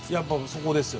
そこですよ。